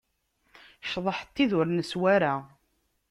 Cḍeḥ n tid ur neswi ara.